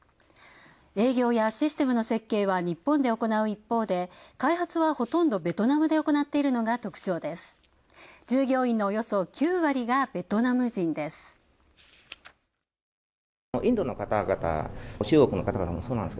営業やシステムの設計は日本で行う一方で、開発は、ほとんどベトナムで行っているのが特徴です。